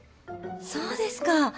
そうですか。